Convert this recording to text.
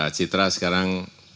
citra citra citra sekarang